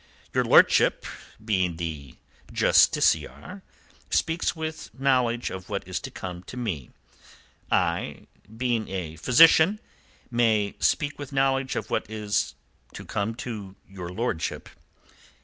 Your lordship, being the justiciar, speaks with knowledge of what is to come to me. I, being a physician, may speak with knowledge of what is to come to your lordship.